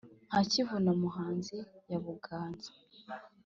Nka kivu na muhazi ya Buganza